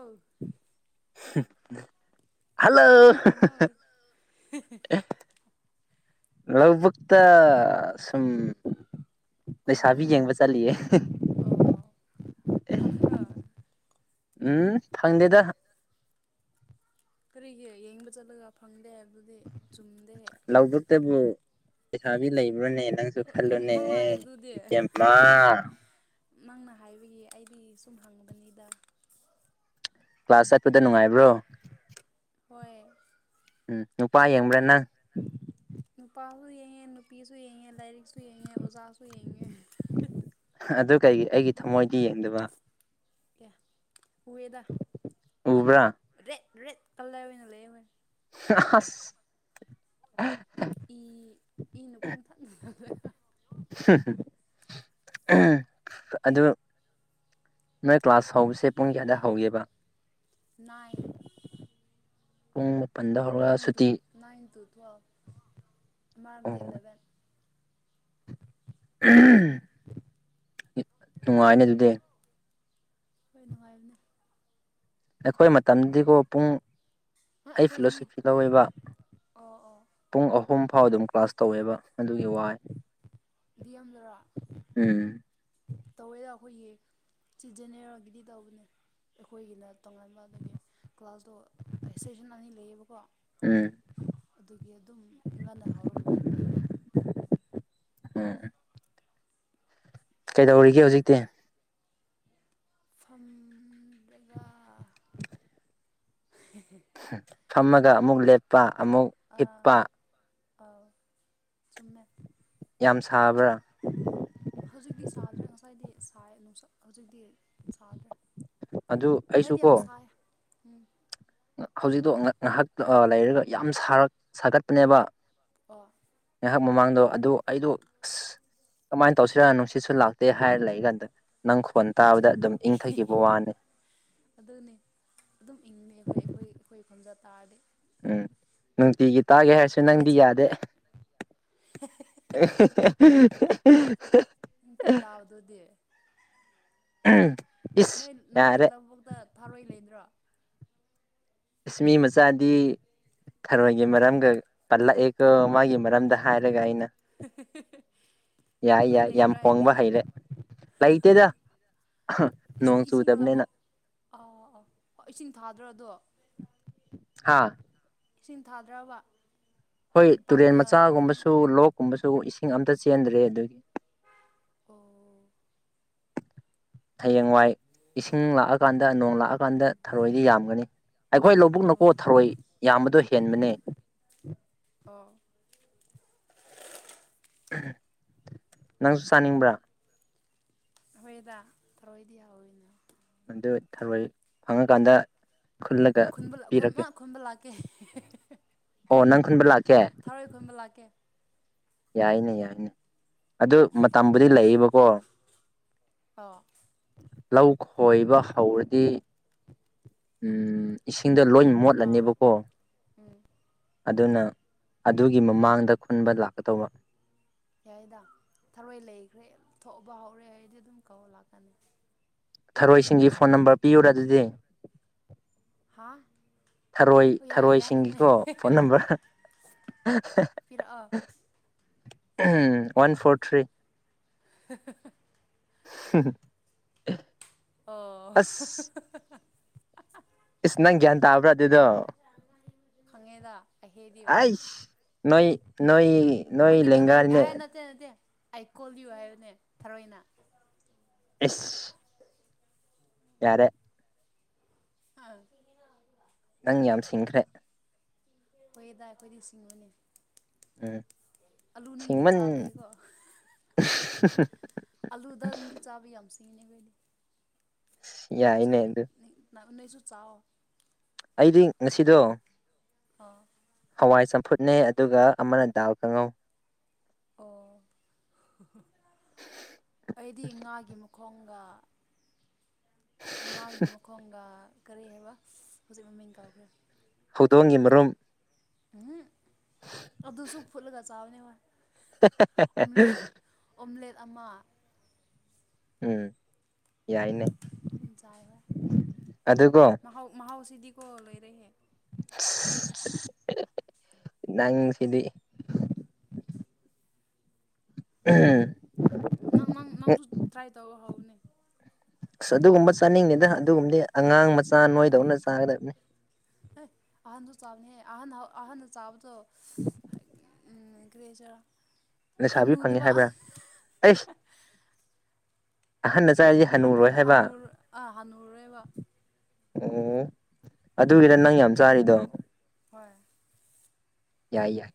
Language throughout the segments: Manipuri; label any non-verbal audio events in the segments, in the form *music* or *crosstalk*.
ꯑꯧ *inaudible* ꯍꯜꯂꯣ ꯀꯩꯗꯧꯔꯤꯅꯣ ꯑꯣ *unintelligible* ꯂꯧꯕꯨꯛꯇ ꯁꯨꯝ ꯂꯩꯁꯥꯕꯤ ꯌꯦꯡꯕ ꯆꯠꯂꯤꯌꯦ *unintelligible* ꯑꯣ ꯐꯪꯕ꯭ꯔꯣ ꯎꯝ ꯐꯪꯗꯦꯗ ꯀꯔꯤꯒꯤ ꯌꯦꯡꯕ ꯆꯠꯂꯒ ꯐꯪꯗꯦ ꯍꯥꯏꯕꯗꯨꯗꯤ ꯆꯨꯝꯗꯦꯍꯦ ꯂꯧꯕꯨꯛꯇꯕꯨ ꯂꯩꯁꯥꯕꯤ ꯂꯩꯕ꯭ꯔꯅꯦ ꯅꯪꯁꯨ ꯅꯪ ꯅꯪꯅ ꯈꯜꯂꯨꯅꯦꯍꯦ ꯍꯥꯏꯕꯗꯨꯗꯤ *unintelligible* ꯅꯪꯅ ꯍꯥꯏꯕꯒꯤ ꯑꯩꯗꯤ ꯁꯨꯝ ꯍꯪꯕꯅꯤꯗ ꯀ꯭ꯂꯥꯁ ꯆꯠꯄꯗ ꯅꯨꯡꯉꯥꯏꯕ꯭ꯔꯣ ꯍꯣꯏ ꯎꯝ ꯅꯨꯄꯥ ꯌꯦꯡꯕ꯭ꯔꯥ ꯅꯪ ꯅꯨꯄꯥꯁꯨ ꯌꯦꯡꯏ ꯅꯨꯄꯤꯁꯨ ꯌꯦ ꯂꯥꯏꯔꯤꯛꯁꯨ ꯌꯦꯡꯉꯦ ꯑꯣꯖꯥꯁꯨ ꯌꯦ ꯑꯗꯨ ꯀꯩꯒꯤ ꯑꯩꯒꯤ ꯊꯃꯣꯏꯗꯤ ꯌꯦꯡꯗꯕ ꯀ ꯎꯌꯦꯗ ꯎꯕ꯭ꯔꯥ ꯔꯦꯗ ꯔꯦꯗ ꯀꯥꯂꯔ ꯑꯣꯏꯅ ꯂꯩꯌꯦ ꯍꯥ ꯍ ꯑꯁ ꯏ ꯏꯅ ꯄꯨꯡ ꯊꯥꯛꯅꯂꯦ ꯑꯗꯨ ꯅꯣꯏ ꯀ꯭ꯂꯥꯁ ꯍꯧꯕꯁꯦ ꯄꯨꯡ ꯀꯌꯥꯗ ꯍꯧꯒꯦꯕ ꯅꯥꯏꯟ ꯑꯝ nine two nine two twelve mark ꯑꯃꯗꯤ ꯏꯂꯚꯦꯟ ꯅꯨꯡꯉꯥꯏꯅꯤ ꯑꯗꯨꯗꯤ ꯍꯣꯏ ꯅꯨꯡꯉꯥꯏꯅꯦ ꯑꯈꯣꯏ ꯃꯇꯝꯗꯤꯀꯣ ꯄꯨꯡ ꯍꯣꯏ ꯑꯩ ꯑꯩꯈꯣꯏꯗꯤ ꯄꯂꯥꯁ ꯂꯧꯋꯦꯕ ꯑꯣ ꯑꯣ ꯄꯨꯡ ꯑꯍꯨꯝ ꯐꯥꯎ ꯑꯗꯨꯝ ꯀ꯭ꯂꯥꯁ ꯇꯧꯋꯦꯕ ꯑꯗꯨꯒꯤ ꯋꯥꯏ ꯌꯥꯝꯗꯔ ꯎꯝ ꯇꯧꯋꯦꯗ ꯑꯈꯣꯏꯒꯤ ꯁꯤꯖꯤꯟꯅꯔꯒꯤꯗꯤ ꯇꯧꯕꯅꯦ ꯑꯈꯣꯏꯒꯤꯅ ꯇꯣꯉꯥꯟꯕ ꯑꯗꯒꯤ ꯀ꯭ꯂꯥꯁꯇꯣ ꯏꯁꯇꯦꯁꯟ ꯑꯅꯤ ꯂꯩꯌꯦꯕꯀꯣ ꯎꯝ ꯑꯗꯨꯒꯤ ꯑꯗꯨꯝ ꯉꯟꯅ ꯍꯧꯔꯒ ꯉꯟꯅ ꯂꯩꯕ ꯍꯝ ꯀꯩꯗꯧꯔꯤꯒꯦ ꯍꯧꯖꯤꯛꯇꯤ ꯐꯝꯕꯒ *inaudible* ꯐꯝꯃꯒ ꯑꯃꯨꯛ ꯂꯦꯞꯄ ꯑꯃꯨꯛ ꯑꯥ ꯍꯤꯞꯄ ꯑꯥ ꯆꯨꯝꯃꯦ ꯌꯥꯝ ꯁꯥꯕ꯭ꯔꯥ ꯍꯧꯖꯤꯛꯇꯤ ꯁꯥꯗ꯭ꯔꯦ ꯉꯁꯥꯏꯗꯤ ꯁꯥꯏ ꯅꯨꯡꯁꯛ ꯍꯧꯖꯤꯛꯇꯤ ꯁꯥꯗ꯭ꯔꯦ ꯑꯗꯨ ꯑꯩꯁꯨ ꯉꯁꯥꯏꯗꯤ ꯀꯣ ꯌꯥꯝ ꯁꯥꯏꯌꯦ ꯍꯧꯖꯤꯛꯇꯣ ꯉꯥ ꯉꯥꯏꯍꯥꯛ ꯑ ꯂꯩꯔꯒ ꯌꯥꯝ ꯁꯥꯔꯛ ꯁꯥꯒꯠꯄꯅꯦꯕ ꯑꯣ ꯉꯥꯏꯍꯥꯛ ꯃꯃꯥꯡꯗꯣ ꯑꯗꯨ ꯑꯩꯗꯣ ꯑꯁ ꯀꯃꯥꯏꯅ ꯇꯧꯁꯤꯔ ꯅꯨꯡꯁꯤꯠꯁꯨ ꯂꯥꯛꯇꯦ ꯍꯥꯏꯔ ꯂꯩꯏ ꯀꯥꯟꯗ ꯅꯨꯡꯆꯠ ꯑꯗꯨꯅꯦ ꯑꯗꯨꯝ ꯏꯪꯉꯩ ꯍꯣꯏ ꯑꯈꯣꯏ ꯑꯈꯣꯏ ꯐꯝꯖ ꯇꯥꯔꯗꯤ ꯎꯝ ꯅꯨꯡ ꯇꯤꯒꯤ ꯇꯥꯒꯦ ꯍꯥꯏꯔꯁꯨ ꯅꯪꯗꯤ ꯃꯦꯖꯤꯛ ꯌꯥꯗꯦ ꯅꯨꯡꯇꯤ ꯇꯥꯕꯗꯨꯗꯤ *unintelligible* ꯅꯣꯏ ꯅꯣꯏ ꯌꯥꯔꯦ ꯂꯧꯕꯨꯛꯇ ꯊꯥꯔꯣꯏ ꯂꯩꯗ꯭ꯔꯣ ꯏꯁ ꯃꯤ ꯃꯆꯥꯥꯗꯤ ꯊꯔꯣꯏꯒꯤ ꯃꯔꯝꯒ ꯄꯜꯂꯛꯑꯦꯀꯣ ꯃꯥꯒꯤ ꯃꯔꯝꯗ ꯍꯥꯏꯔꯒ ꯑꯩꯅ ꯌꯥꯏ ꯊꯔꯣꯏ ꯌꯥꯏ ꯌꯥꯝ ꯂꯩꯗ꯭ꯔꯥ ꯍꯣꯡꯕ ꯍꯥꯏꯕꯅꯤꯗ ꯍꯩꯔꯦ ꯂꯩꯇꯦꯗ ꯅꯣꯡ ꯏꯁꯤꯡ ꯆꯨꯗꯕꯅꯤꯅ ꯂꯕꯨꯛ ꯑꯥ ꯏꯁꯤꯡ ꯊꯥꯗ꯭ꯔꯣ ꯑꯗꯣ ꯍꯥꯥ ꯏꯁꯤꯡ ꯊꯥꯗ꯭ꯔꯥꯕ ꯍꯣꯏ ꯇꯨꯔꯦꯟ ꯃꯆꯥꯒꯨꯝꯕꯁꯨ ꯂꯣꯛꯀꯨꯝꯕꯁꯨ ꯏꯁꯤꯡ ꯑꯝꯇ ꯆꯦꯟꯗ꯭ꯔꯦ ꯑꯗꯨꯒꯤ ꯑꯣ ꯍꯌꯦꯡꯋꯥꯏ ꯏꯁꯤꯡ ꯂꯥꯛꯑꯀꯥꯟꯗ ꯅꯣꯡ ꯂꯥꯛꯑꯀꯥꯟꯗ ꯊꯔꯣꯏꯗꯤ ꯌꯥꯝꯒꯅꯤ ꯑꯈꯣꯏ ꯂꯧꯕꯨꯛ ꯅꯀꯣ ꯑꯣ ꯊꯧꯔꯣꯏ ꯌꯥꯝꯕꯗꯣ ꯍꯦꯟꯕꯅꯦ ꯑꯣ ꯅꯪꯁꯨ ꯆꯥꯅꯤꯡꯕ꯭ꯔꯥ ꯍꯣꯏꯗ ꯊꯔꯣꯏꯗꯤ ꯍꯥꯎꯋꯤꯅ ꯑꯗꯨ ꯊꯔꯣꯏ ꯐꯪꯉꯀꯥꯟꯗ ꯈꯨꯜꯂꯒ ꯈꯨꯟꯕ ꯑꯩꯈꯣꯏ ꯄꯤꯔꯛꯀꯦ ꯃꯥ ꯈꯨꯟꯕ ꯂꯥꯛꯀꯦ ꯑꯣ ꯅꯪ ꯈꯨꯟꯕ ꯂꯥꯛ ꯊꯔꯣꯏ ꯈꯨꯟꯕ ꯂꯥꯛꯀꯦ ꯌꯥꯏꯅꯦ ꯌꯥꯏꯅꯦ ꯑꯗꯨ ꯃꯇꯝꯕꯨꯗꯤ ꯂꯩꯌꯦꯕꯀꯣ ꯑꯣ ꯂꯧ ꯈꯣꯏꯕ ꯍꯧꯔꯗꯤ ꯎꯝ ꯏꯁꯤꯡꯗ ꯂꯣꯏ ꯑꯥ ꯃꯣꯠꯂꯅꯤꯕꯀꯣ ꯎꯝ ꯎꯝ ꯑꯗꯨꯅ ꯑꯗꯨꯒꯤ ꯃꯃꯥꯡꯗ ꯈꯨꯟꯕ ꯂꯥꯛꯀꯗꯧꯕ ꯌꯥꯏꯗ ꯊꯔꯣꯏ ꯂꯩꯈ꯭ꯔꯦ ꯊꯣꯛꯑꯕ ꯍꯧꯔꯦ ꯍꯥꯏꯗꯤ ꯑꯗꯨꯝ ꯀꯧ ꯂꯥꯛꯀꯅꯤ ꯊꯔꯣꯏꯁꯤꯡꯒꯤ ꯐꯣꯟ ꯅꯝꯕꯔ ꯄꯤꯌꯨꯔ ꯑꯗꯨꯗꯤ ꯍꯥ ꯊꯔꯣꯏ ꯍꯣꯏ ꯌꯥꯏ ꯌꯥꯏꯅꯦ ꯊꯔꯣꯏꯁꯤꯡꯒꯤꯀꯣ ꯐꯣꯟ ꯅꯝꯕꯔ ꯄꯤꯔꯛꯑꯣ ꯎꯝ ꯋꯥꯟ ꯐꯣꯔ ꯊ꯭ꯔꯤ ꯍꯥ ꯍꯥ ꯍꯥ ꯍꯍꯨꯝ ꯑꯣ ꯑꯁ ꯏꯁꯅꯪ ꯒꯤꯌꯥꯟ ꯇꯥꯕꯔ ꯑꯗꯨꯗ ꯈꯪꯉꯦꯗ ꯑꯩꯍꯦꯗꯤ ꯅꯣꯏ ꯅꯣꯏ ꯅꯣꯏ ꯂꯦꯡꯒꯥꯅꯤꯅꯦ ꯑꯦ ꯅꯠꯇꯦ ꯅꯠꯇꯦ ꯑꯥꯏ ꯀꯣꯜꯌꯨ ꯍꯥꯏꯕꯅꯦ ꯊꯔꯣꯏꯅ ꯏꯁ ꯌꯥꯔꯦ ꯑꯥ ꯅꯪ ꯌꯥꯝ ꯁꯤꯡꯈ꯭ꯔꯦ ꯑꯣꯏꯌꯦꯗ ꯑꯩꯈꯣꯏꯗꯤꯁꯤꯡꯕꯅꯤ ꯎꯝ ꯑꯂꯨ ꯅꯤꯡꯇꯤ ꯁꯤꯡꯃꯟ ꯆꯥꯕꯒꯤꯀꯣ ꯑꯂꯨꯗ ꯅꯤꯡꯗꯤ ꯆꯥꯕ ꯌꯥꯝ ꯃꯤꯅꯦ ꯑꯈꯣꯏꯗꯤ ꯅꯣꯏꯁꯨ ꯌꯥꯏꯅꯦ ꯑꯗꯨ ꯅꯣꯏꯁꯨ ꯆꯥꯎ ꯑꯩꯗꯤ ꯉꯁꯤꯗꯣ ꯑꯣ ꯍꯋꯥꯏ ꯆꯝꯐꯨꯠꯅꯦ ꯑꯗꯨꯒ ꯑꯃꯅ ꯗꯥꯜ ꯀꯥꯡꯍꯧ ꯑꯣ ꯑꯩꯗꯤ ꯉꯥꯒꯤ ꯃꯈꯣꯡ ꯉꯥ ꯉ ꯉꯥꯒꯤ ꯃꯈꯣꯡꯒ ꯀꯔꯤ ꯍꯥꯏꯕ ꯍꯧꯖꯤꯛ ꯃꯃꯤꯡ ꯀꯧꯈ꯭ꯔꯦ ꯍꯧꯗꯣꯡꯒꯤ ꯃꯔꯨꯝ ꯎꯝ ꯑꯗꯨ ꯑꯗꯨꯁꯨ ꯐꯨꯠꯂꯒ ꯆꯥꯕꯅꯦ ꯋꯥ ꯍ ꯍ ꯍ ꯑꯣꯝꯂꯦꯠ ꯑꯃ ꯎꯝ ꯌꯥꯏꯅꯦ ꯑꯗꯨꯀꯣ ꯃꯍꯥꯎ ꯃꯍꯥꯎ ꯁꯤꯗꯤ ꯁ ꯅꯪ ꯁꯤꯗꯤ ꯍꯝ ꯅꯪꯪ ꯅꯪ ꯅꯪꯁꯨ ꯇ꯭ꯔꯥꯏ ꯇꯧ ꯍꯧꯅꯦ ꯑꯁ ꯑꯗꯨꯒꯨꯝꯕ ꯆꯥꯅꯤꯡꯗꯦꯗ ꯑꯗꯨꯒꯨꯝꯕꯗꯤ ꯑꯉꯥꯡ ꯃꯆꯥ ꯅꯣꯏꯗꯧꯅ ꯆꯥꯒꯗꯕꯅꯤ ꯑꯍꯟꯁꯨ ꯆꯥꯕꯅꯦ ꯑꯍꯟ ꯑꯍꯟ ꯆꯥꯕꯗꯣ *inaudible* ꯎꯝ ꯑꯗꯨ ꯂꯩꯖꯔꯣ ꯂꯩꯁꯥꯕꯤ ꯐꯪꯉꯦ ꯍꯥꯏꯕ꯭ꯔꯥ ꯑꯩꯁ ꯑꯍꯟꯅ ꯆꯥꯔꯤꯁꯦ ꯍꯅꯨ ꯍꯟꯅꯨꯔꯣꯏ ꯍꯥꯏꯕ ꯍꯅꯨꯔ ꯑꯥ ꯍꯅꯨꯔꯦꯕ ꯑꯣ ꯑꯗꯨꯒꯤꯔ ꯅꯪ ꯌꯥꯝ ꯆꯥꯔꯤꯗꯣ ꯍꯣꯏ ꯌꯥꯏ ꯌꯥꯏ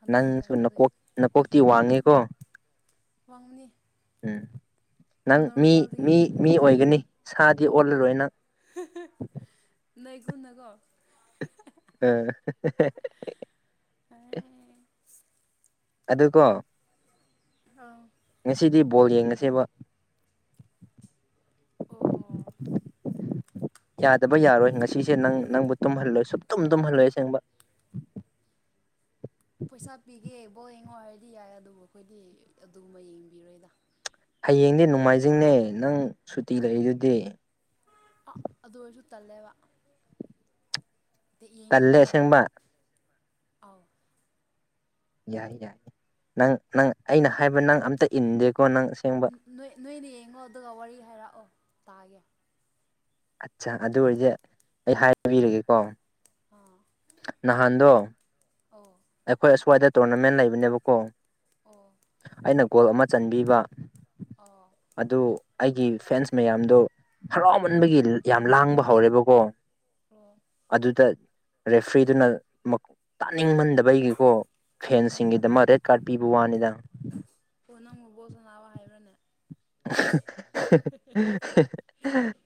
ꯍꯅꯨꯕ ꯅꯪꯁꯨ ꯇꯟꯕ ꯑꯗꯨꯒꯤ ꯅꯀꯣꯛ ꯅꯀꯣꯛꯇꯤ ꯋꯥꯡꯉꯦꯀꯣ ꯋꯥꯡꯕꯅꯤ ꯎꯝ ꯅꯪ ꯃꯤ ꯅꯣꯔꯃꯦꯜꯗꯒꯤ ꯃꯤ ꯃꯤ ꯑꯣꯏꯒꯅꯤ ꯁꯥꯗꯤ ꯑꯣꯜꯂꯔꯣꯏ ꯅꯪ ꯅꯣꯏꯒꯨꯅꯀꯣ ꯑꯥ ꯍꯥ ꯍꯥ ꯑꯥ ꯍꯥ ꯑꯗꯨꯀꯣ ꯑꯥꯎ ꯉꯁꯤꯗꯤ ꯕꯣꯜ ꯌꯦꯡꯉꯁꯦꯕ ꯑꯣ ꯌꯥꯗꯕ ꯌꯥꯔꯣꯏ ꯉꯁꯤꯁꯦ ꯅꯪ ꯅꯪꯕꯨ ꯇꯨꯝꯍꯜꯂꯣꯏ ꯁꯨꯝ ꯇꯨꯝ ꯇꯨꯝꯍꯜꯂꯣꯏ ꯑꯁꯦꯡꯕ *inaudible* ꯄꯩꯁꯥ ꯄꯤꯒꯦꯕꯣ ꯌꯦꯡꯉꯣ ꯍꯥꯏꯔꯗꯤ ꯌꯥꯏ ꯑꯗꯨꯕꯨ ꯑꯩꯈꯣꯏꯗꯤ ꯑꯗꯨꯃ ꯌꯦꯡꯕꯤꯔꯣꯏꯗ ꯍꯌꯦꯡꯗꯤ ꯅꯣꯡꯃꯥꯏꯖꯤꯡꯅꯦ ꯅꯪ ꯁꯨꯇꯤ ꯂꯩꯏꯗꯨꯗꯤ ꯑꯥ ꯑꯗꯨ ꯑꯣꯏꯔꯁꯨ ꯇꯜꯂꯦꯕ ꯇꯜꯂꯦ ꯑꯁꯦꯡꯕ ꯑꯥꯎ ꯌꯥꯏ ꯌꯥꯏ ꯅꯪ ꯅꯪ ꯑꯩꯅ ꯍꯥꯏꯕ ꯅꯪ ꯑꯝꯇ ꯏꯟꯗꯦꯀꯣ ꯅꯪ ꯑꯁꯦꯡꯕ ꯅꯣꯏ ꯅꯣꯏꯅ ꯌꯦꯡꯉꯣ ꯑꯗꯨꯒ ꯋꯥꯔꯤ ꯍꯥꯏꯔꯛꯑꯣ ꯇꯥꯒꯦ ꯑꯠꯆꯥ ꯑꯗꯨ ꯑꯣꯏꯔꯗꯤ ꯑꯩ ꯍꯥꯏꯕꯤꯔꯒꯦꯀꯣ ꯑꯥ ꯅꯍꯥꯟꯗꯣ ꯑꯣ ꯑꯩꯈꯣꯏ ꯑꯁ꯭ꯋꯥꯏꯗ ꯇꯣꯔꯅꯥꯃꯦꯟ ꯂꯩꯕꯅꯦꯕꯀꯣ ꯑꯣ ꯑꯩꯅ ꯒꯣꯜ ꯑꯃ ꯆꯟꯕꯤꯕ ꯑꯣ ꯑꯗꯨ ꯑꯩꯒꯤ ꯐ꯭ꯔꯦꯟꯁ ꯃꯌꯥꯝꯗꯣ ꯑꯣ ꯍꯔꯥꯎꯃꯟꯕꯒꯤ ꯌꯥꯝ ꯂꯥꯡꯕ ꯍꯧꯔꯦꯕꯀꯣ ꯑꯣ ꯑꯗꯨꯗ ꯔꯦꯐ꯭ꯔꯤꯗꯨꯅ ꯃꯛ ꯇꯥꯅꯤꯡꯃꯟꯗꯕ ꯑꯩ ꯑꯩꯒꯤꯀꯣ ꯎꯝ ꯐꯦꯟꯁꯤꯡꯒꯤꯗꯃꯛ ꯔꯦꯠ ꯀꯥꯔꯠ ꯄꯤꯕ ꯋꯥꯅꯤꯗ ꯑꯣ ꯅꯪꯕꯨ ꯕꯣꯜ ꯁꯥꯟꯅꯕ ꯍꯩꯕ꯭ꯔꯅꯦ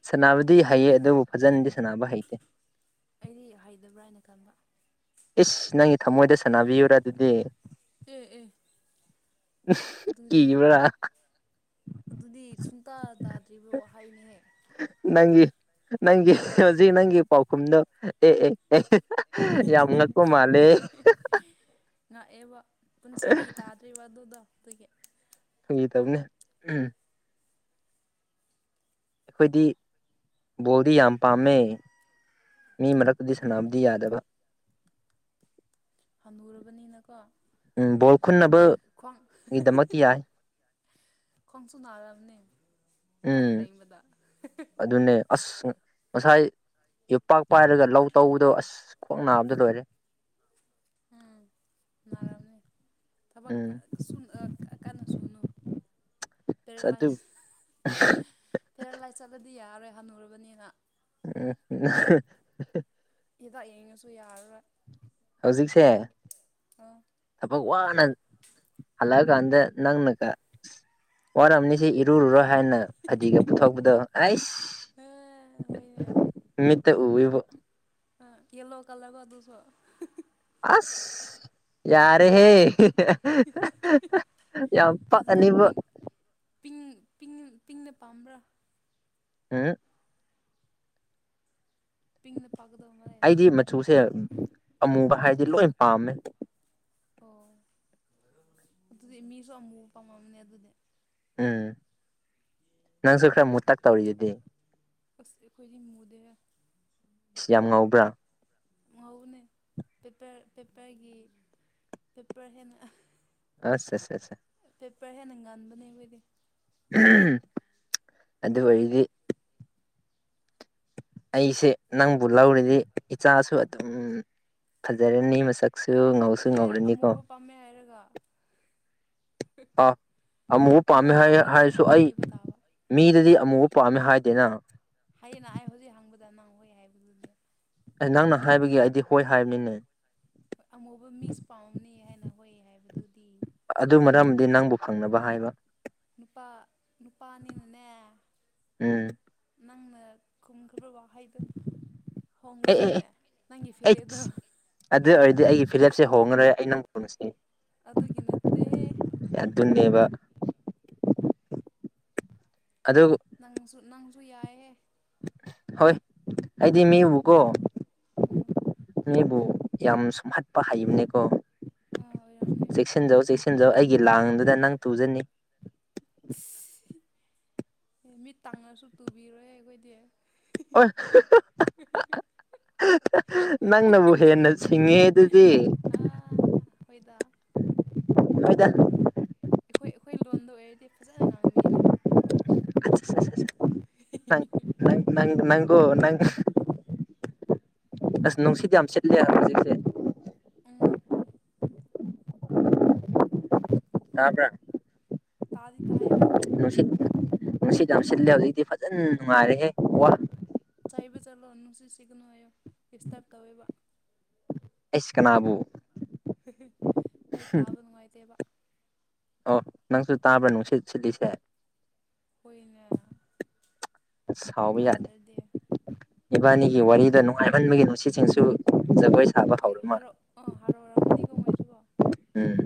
ꯁꯅꯥꯕꯨꯗꯤ ꯍꯩꯌꯦ ꯑꯗꯨꯕꯨ ꯐꯖꯅꯗꯤ ꯁꯥꯟꯅꯕ ꯍꯩꯇꯦ ꯑꯩꯗꯤ ꯍꯩꯇꯕ꯭ꯔꯥ ꯍꯥꯏꯅ ꯈꯟꯕ ꯏꯁ ꯅꯪꯒꯤ ꯊꯃꯣꯏꯗ ꯁꯥꯟꯅꯕꯤꯌꯨꯔꯥ ꯑꯗꯨꯗꯤ ꯑꯦ ꯑꯦ ꯎꯝ ꯑꯗꯨꯗꯤ ꯀꯤꯕ꯭ꯔ ꯑꯗꯨꯗꯤ ꯁꯨꯡꯇꯥ ꯇꯥꯗ꯭ꯔꯤꯕ꯭ꯔ ꯋꯍꯩꯅꯤꯍꯦ ꯅꯪꯒꯤ ꯅꯪꯒꯤ ꯍꯧꯖꯤꯛ ꯅꯪꯒꯤ ꯄꯥꯎꯈꯨꯝꯗꯣ ꯑꯦ ꯑꯦ ꯑꯦ ꯌꯥꯝ ꯉꯛꯀ ꯃꯥꯂꯦ ꯉꯥꯛꯑꯦꯕ ꯄꯨꯟꯁꯤꯗꯤ ꯇꯥꯗ꯭ꯔꯤꯕꯔꯤꯕ ꯑꯗꯨꯗꯣ ꯑꯗꯨꯒꯤ ꯐꯒꯤ ꯇꯧꯕꯅꯦ ꯎꯝ ꯑꯩꯈꯣꯏꯗꯤ ꯕꯣꯜꯗꯤ ꯌꯥꯝ ꯄꯥꯝꯃꯦ ꯃꯤ ꯃꯔꯛꯇꯨꯗꯤ ꯁꯥꯟꯅꯕꯗꯤ ꯎꯝ ꯌꯥꯗꯕ ꯍꯅꯨꯔꯕꯅꯤꯅꯀꯣ ꯎꯝ ꯕꯣꯜ ꯈꯨꯟꯅꯕꯒꯤꯗꯃꯛ ꯌꯥꯏ ꯈꯣꯡꯁꯨ ꯅꯔꯝꯅꯦ ꯎꯝ ꯑꯗꯨꯅꯦ ꯑꯁ ꯉꯁꯥꯏ ꯌꯣꯄꯥꯛ ꯄꯥꯏꯔꯒ ꯂꯧ ꯇꯧꯕꯗꯣ ꯑꯁ ꯈ꯭ꯋꯥꯡ ꯅꯥꯕꯗ ꯂꯣꯏꯔꯦ ꯎꯝ ꯅꯥꯔꯝꯅꯤ ꯊꯕꯛ ꯎꯝ ꯀꯟꯅ ꯁꯨꯅꯨ ꯑꯁ ꯑꯗꯨ ꯄꯦꯔꯥꯂꯥꯏꯁ ꯄꯦꯔꯥꯂꯥꯏꯁ ꯆꯠꯂꯗꯤ ꯌꯥꯔꯣꯏ ꯍꯜꯅꯨꯔꯕꯅꯤꯅ ꯎꯝ ꯍꯤꯗꯥꯛ ꯌꯦꯡꯉꯁꯨ ꯌꯥꯔꯔꯣꯏ ꯍꯧꯖꯤꯛꯁꯦ ꯑꯥ ꯊꯕꯛ ꯋꯥꯅ ꯍꯜꯂꯛ ꯀꯥꯟꯗ ꯅꯪꯅ ꯀ ꯋꯥꯔꯝꯅꯤꯁꯤ ꯏꯔꯨꯔꯣ ꯍꯥꯏꯅ ꯐꯗꯤꯒ ꯄꯨꯊꯣꯛꯄꯗꯣ ꯑꯩꯁ ꯑꯦ ꯍꯣꯏꯅꯦ ꯃꯤꯠꯇ ꯎꯕꯤꯕ ꯌꯦꯜꯂꯣ ꯀꯂꯔ ꯒ ꯑꯗꯨ ꯁꯣ ꯑꯁ ꯌꯥꯔꯦ ꯍꯦ ꯌꯥꯝ ꯑꯗꯨꯅ ꯄꯛꯑꯅꯤꯕꯣ ꯄꯤꯡ ꯄꯤꯡ ꯄꯤꯡ‌ ꯄꯤꯡꯅ ꯄꯥꯝꯕ꯭ꯔꯥ ꯑꯥ ꯄꯤꯡꯅ ꯄꯥꯛꯀꯗꯧ ꯃꯥꯜꯂꯦ ꯑꯩꯗꯤ ꯃꯆꯨꯁꯦ ꯑꯃꯨꯕ ꯍꯥꯏꯗꯤ ꯂꯣꯏ ꯄꯥꯝꯃꯦ ꯑꯣ ꯑꯗꯨꯗꯤ ꯃꯤꯁꯨ ꯑꯃꯨ ꯄꯥꯃꯝꯅꯦ ꯑꯗꯨꯗꯤ ꯎꯝ ꯅꯪꯁꯨ ꯌꯥꯏ ꯈꯔ ꯃꯨꯠꯇꯥꯛ ꯇꯧꯔꯤꯁꯤꯗꯤ ꯑꯁ ꯑꯩꯈꯣꯏꯗꯤ ꯃꯨꯗꯦꯍꯦ ꯑꯁ ꯌꯥꯝ ꯉꯧꯕ꯭ꯔꯥ ꯉꯧꯕꯅꯦ ꯄꯦꯄꯔ ꯄꯦꯄꯔꯒꯤ ꯄꯦꯄꯔ ꯍꯦꯟꯅ ꯑꯁ ꯑꯁ ꯄꯦꯄꯔ ꯍꯦꯟꯅ ꯉꯟꯥꯕꯅꯦ ꯈꯣꯏꯗꯤ ꯑꯗꯨꯑꯣꯏꯔꯗꯤ ꯑꯩꯁꯦ ꯅꯪꯕꯨ ꯂꯧꯔꯗꯤ ꯏꯆꯥꯁꯨ ꯑꯗꯨꯝ ꯐꯖꯔꯅꯤ ꯃꯁꯛ ꯁꯨ ꯉꯧꯁꯨ ꯑꯦ ꯉꯥꯎꯔꯅꯤꯀꯣ ꯑꯃꯨꯕ ꯄꯥꯝꯃꯦ ꯍꯥꯏꯔꯒ ꯑ ꯑꯃꯨ ꯄꯥꯝꯃꯦ ꯑꯃꯨꯕ ꯄꯥꯝꯃꯗꯤ ꯍꯥꯏꯔꯁꯨ ꯑꯃꯨꯕ ꯑꯩ ꯊꯤꯕ ꯇꯥꯕ ꯃꯤꯗꯗꯤ ꯑꯃꯨ ꯄꯥꯝꯃꯦ ꯍꯥꯏꯗꯦꯅ ꯑꯩꯅ ꯑꯩ ꯍꯧꯖꯤꯛ ꯍꯪꯕꯗ ꯅꯪ ꯍꯣꯏ ꯍꯥꯏꯕꯗꯨꯅꯦ ꯑꯩ ꯅꯪꯅ ꯍꯥꯏꯕꯒꯤ ꯑꯩꯗꯤ ꯍꯣꯏ ꯍꯥꯏꯕꯅꯤꯅꯦ ꯍꯣꯏ ꯑꯃꯨꯕ ꯃꯤꯁꯨ ꯄꯥꯝꯅꯤ ꯍꯥꯏꯅ ꯍꯣꯏ ꯍꯥꯏꯕꯗꯨꯗꯤ ꯑꯗꯨ ꯃꯔꯝꯗꯤ ꯅꯪꯕꯨ ꯐꯪꯅꯕ ꯍꯥꯏꯕ ꯅꯨꯄꯥ ꯅꯨꯄꯥꯅꯤꯅꯅꯦ ꯎꯝ ꯅꯪꯅ ꯈꯨꯝꯈ꯭ꯔ꯭ꯕ ꯗ ꯑꯦ ꯑꯦ ꯍꯣꯡꯒꯅꯨꯅꯦ ꯅꯪꯒꯤ ꯑꯦ ꯐꯤꯔꯦꯑ ꯑꯗꯨ ꯑꯣꯏꯔꯗꯤ ꯑꯩꯒꯤ ꯐꯤꯔꯦꯞꯁꯦ ꯍꯣꯡꯉꯔꯣꯏ ꯑꯩ ꯅꯪ ꯄꯨꯟꯁꯤ ꯑꯗꯨꯒꯤ ꯅꯠꯇꯦ ꯍꯦ ꯑꯗꯨꯅꯦꯕ ꯑꯗꯨꯕꯨ ꯅꯪꯁꯨ ꯅꯪꯁꯨ ꯌꯥꯏꯍꯦ ꯍꯣꯏ ꯑꯩꯗꯤ ꯃꯤ ꯕꯨꯀꯣ ꯎꯝ ꯃꯤꯕꯨ ꯌꯥꯝ ꯁꯨꯝꯍꯠꯄ ꯍꯩꯕꯅꯦꯀꯣ ꯑꯥ ꯑꯣꯏꯔꯝꯅꯤ ꯍꯣꯏ ꯆꯦꯛꯁꯤꯟꯖꯧ ꯆꯦꯛꯁꯤꯟꯖꯧ ꯑꯩꯒꯤ ꯂꯥꯡꯗꯨꯗ ꯅꯪ ꯇꯨꯖꯅꯤ ꯃꯤꯠ ꯇꯥꯡꯅꯁꯨ ꯇꯨꯕꯤꯔꯣꯏꯑꯦ ꯑꯈꯣꯏꯗꯤ *unintelligible* ꯅꯪꯅꯕꯨ ꯍꯦꯟꯅ ꯁꯤꯡꯉꯦ ꯑꯗꯨꯗꯤ ꯑꯥ ꯍꯣꯏꯗ ꯍꯣꯏꯗ ꯑꯈꯣꯏ ꯑꯈꯣꯏ ꯂꯣꯟꯗ ꯑꯣꯏꯔꯗꯤ ꯐꯖꯅ ꯉꯥꯡꯕꯤꯅꯤ ꯑꯁ ꯑꯁ ꯅꯪ ꯅꯪ ꯑꯣ ꯅꯪ ꯑꯁ ꯅꯨꯡꯁꯤꯠ ꯌꯥꯝ ꯁꯤꯠꯂꯦ ꯍꯧꯖꯤꯛꯁꯦ ꯎꯝ ꯇꯥꯕ꯭ꯔꯥ ꯇꯥꯗꯤ ꯇꯥꯥꯏꯌꯦ ꯑꯣꯏ ꯅꯨꯡꯁꯤꯠ ꯅꯨꯡꯁꯤꯠ ꯌꯥꯝ ꯁꯤꯠꯂꯦ ꯍꯧꯖꯤꯛꯇꯤ ꯐꯖꯟ ꯅꯨꯡꯉꯥꯏꯔꯦꯍꯦ ꯋꯥ ꯆꯩꯕ ꯆꯠꯂꯣ ꯅꯨꯡꯁꯤꯠꯁꯤꯠꯒꯅꯣ ꯍꯥꯏꯑꯣ ꯗꯤꯁꯇꯥꯞ ꯇꯧꯋꯦꯕ ꯑꯩꯁ ꯀꯅꯥꯕꯨ ꯑꯩ ꯇꯥꯕ ꯅꯨꯡꯉꯥꯏꯇꯦꯕ ꯑꯣ ꯅꯪꯁꯨ ꯇꯥꯕ꯭ꯔꯥ ꯅꯨꯡꯁꯤꯠ ꯁꯤꯠꯂꯤꯁꯦ ꯍꯣꯏꯅꯦ ꯁꯥꯎꯕ ꯌꯥꯗꯦ ꯇꯥꯗ꯭ꯔꯗꯤ ꯏꯕꯥꯅꯤꯒꯤ ꯋꯥꯔꯤꯗ ꯅꯨꯡꯉꯥꯏꯃꯟꯕꯒꯤ ꯅꯨꯡꯁꯤꯠꯁꯤꯡꯁꯨ ꯖꯒꯣꯏ ꯁꯥꯕ ꯍꯣꯏ ꯍꯧꯔ ꯍꯔꯧ ꯃꯥꯜꯂꯦ ꯍꯔꯧ ꯑꯣꯏꯔꯝꯒꯅꯤꯀꯣ ꯎꯝ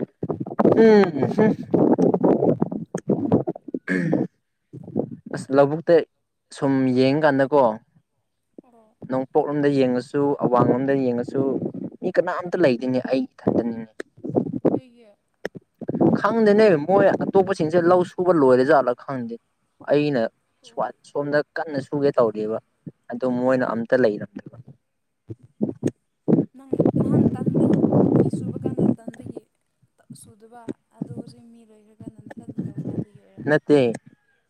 *inaudible* ꯑꯝ ꯍꯝ ꯑꯁ ꯂꯧꯕꯨꯛꯇꯩ ꯁꯨꯝ ꯌꯦꯡꯀꯥꯟꯗꯀꯣ ꯑꯣ ꯅꯣꯡꯄꯣꯛꯂꯣꯝꯗ ꯌꯦꯡꯉꯁꯨ ꯑꯋꯥꯡ ꯂꯣꯝꯗ ꯌꯦꯡꯉꯁꯨ ꯃꯤ ꯀꯅꯥꯝꯇ ꯂꯩꯇꯦꯅꯦ ꯑꯩ ꯏꯊꯟꯇꯅꯤꯅꯦ ꯀꯩꯒꯤ ꯈꯪꯗꯦꯅꯦ ꯃꯣꯏ ꯑꯇꯣꯞꯄꯁꯤꯡꯁꯦ ꯂꯧ ꯁꯨꯕ ꯂꯣꯏꯔꯖꯥꯠꯂ ꯈꯪꯗꯦ ꯑꯩꯅ ꯁꯋꯥꯠ ꯁꯣꯝꯗ ꯀꯟꯅ ꯁꯨꯒꯦ ꯇꯧꯔꯤꯑꯕ ꯑꯗꯨ ꯃꯣꯏꯅ ꯑꯝꯇ ꯂꯩꯔꯝꯗꯕ ꯅꯪ ꯅꯍꯥꯟ ꯇꯟꯕꯒꯤ ꯃꯤ ꯁꯨꯕ ꯀꯥꯟꯗ ꯇꯟꯕꯒꯤ ꯁꯨꯗꯕ ꯑꯗꯣ ꯍꯧꯖꯤꯛ ꯃꯤ ꯂꯩꯇꯀꯥ ꯅꯊꯟꯇ ꯇꯧ ꯑꯗꯨꯒꯤ ꯑꯣꯏꯔꯝꯅꯤ ꯅꯠꯇꯦ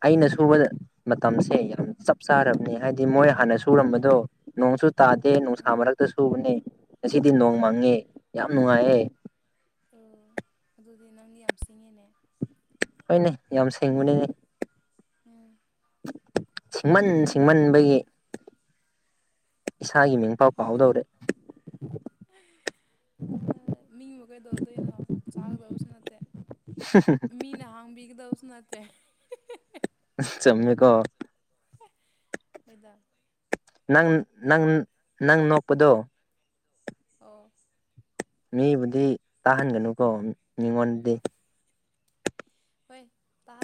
ꯑꯩꯅ ꯁꯨꯕ ꯃꯇꯝꯁꯦ ꯌꯥꯝ ꯆꯞ ꯆꯥꯔꯕꯅꯦ ꯍꯥꯏꯗꯤ ꯃꯣꯏ ꯍꯥꯟꯅ ꯁꯨꯔꯝꯕꯗꯣ ꯅꯣꯡꯁꯨ ꯇꯥꯗꯦ ꯅꯨꯡꯁꯥ ꯎꯝ ꯃꯔꯛꯇ ꯁꯨꯕꯅꯦ ꯉꯁꯤꯗꯤ ꯅꯣꯡ ꯃꯥꯡꯉꯦ ꯌꯥꯝ ꯅꯨꯡꯉꯥꯏꯌꯦ ꯑꯣ ꯑꯗꯨꯗꯤ ꯅꯪꯗꯤ ꯌꯥꯝ ꯁꯤꯡꯉꯦꯅꯦ ꯍꯣꯏꯅꯦ ꯌꯥꯝ ꯁꯤꯡꯕꯅꯤꯅꯦ ꯎꯝ ꯁꯤꯡꯃꯟ ꯁꯤꯡꯃꯟꯕꯒꯤ ꯏꯁꯥꯒꯤ ꯃꯤꯡ ꯄꯥꯎ ꯀꯥꯎꯗꯧꯔꯦ ꯑꯥ ꯃꯤꯡꯕꯨ ꯀꯩꯗꯧꯒꯗꯣꯏꯅꯣ ꯆꯥꯒꯗꯕꯁꯨ ꯅꯠꯇꯦ ꯃꯤꯅ ꯍꯥꯡꯕꯤꯒꯗꯧꯁꯨ ꯅꯠꯇꯦ ꯆꯨꯝꯃꯦꯀꯣ ꯍꯣꯏꯗ ꯅꯪ ꯅꯪ ꯅꯪ ꯅꯣꯛꯄꯗꯣ ꯑꯣ ꯃꯤꯕꯨꯗꯤ ꯇꯥꯍꯟꯒꯅꯨꯀꯣ ꯃꯤ ꯃꯤꯉꯣꯟꯗꯗꯤ ꯍꯣꯏ ꯇꯥ